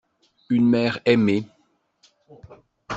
Une mère aimée.